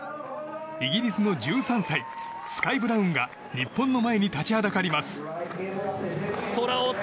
イギリスの１３歳スカイ・ブラウンが日本の前に立ちはだかります。